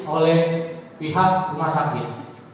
oleh pihak rumah sakit